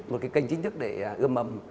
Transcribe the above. một cái kênh chính thức để ưa mầm